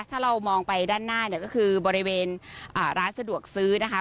ถ้าเรามองไปด้านหน้าเนี่ยก็คือบริเวณร้านสะดวกซื้อนะคะ